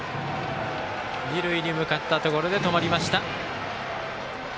二塁に向かったところで止まりました。